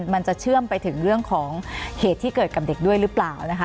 มันจะเชื่อมไปถึงเรื่องของเหตุที่เกิดกับเด็กด้วยหรือเปล่านะคะ